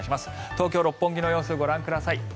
東京・六本木の様子ご覧ください。